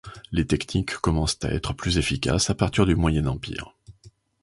Les techniques commencent à être plus efficaces à partir du Moyen Empire.